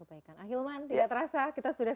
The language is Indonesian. akhilman tidak terasa kita sudah